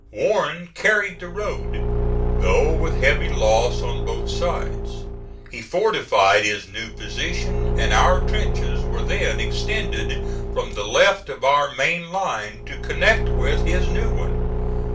Warren carried the road, though with heavy loss on both sides. He fortified his new position, and our trenches were then extended from the left of our main line to connect with his new one.